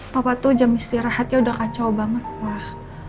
papa tuh jam istirahatnya udah kacau banget wah